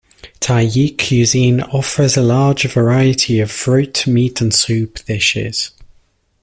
Tajik cuisine offers a large variety of fruit, meat, and soup dishes.